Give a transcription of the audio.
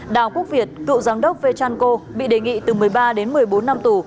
đào quốc việt cựu giám đốc vê trăn cô bị đề nghị từ một mươi ba một mươi bốn năm tù